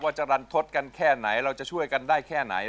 จะรันทศกันแค่ไหนเราจะช่วยกันได้แค่ไหน